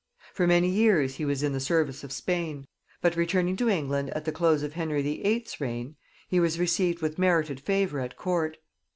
For many years he was in the service of Spain; but returning to England at the close of Henry the eighth's reign, he was received with merited favor at court.